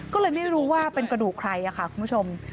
ก็เลยไม่รู้ว่าเป็นกระดูกใครค่ะคุณผู้ชม